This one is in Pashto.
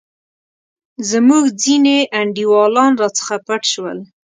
زموږ ځیني انډیوالان راڅخه پټ شول.